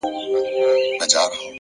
لوړ همت د وېرې دیوال نړوي!